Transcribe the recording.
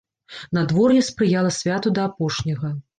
Надвор'е спрыяла святу да апошняга.